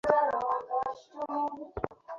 তা তো দেখতেই পাচ্ছি।